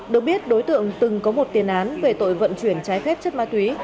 được biết đối tượng từng có một tiền án về tội vận chuyển trái phép chất ma túy